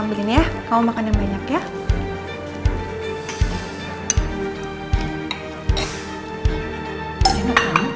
bubur kamu tuh enak banget sayang